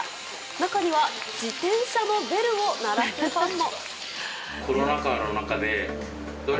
中には自転車のベルを鳴らすファンも。